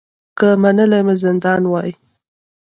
که منلی مي زندان وای